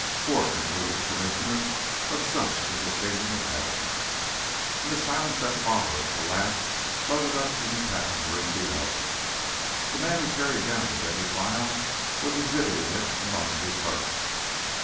For," concluded the Commissioner, "of such is the Kingdom of Heaven." In the silence that followed, a laugh floated up from the patent room below. The man who carried down the Denny file was exhibiting it among the clerks.